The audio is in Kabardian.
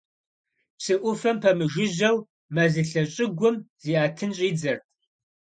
Псы ӏуфэм пэмыжыжьэу мэзылъэ щӏыгум зиӏэтын щӏидзэрт.